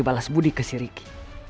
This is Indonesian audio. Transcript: balas budi ke si ricky